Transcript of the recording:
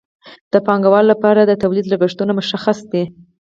د پانګوال لپاره د تولید لګښتونه مشخص دي